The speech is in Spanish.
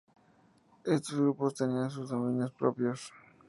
Estos grupos tenían sus dominios propios.